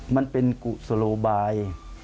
มันเป็นกุศโลบาย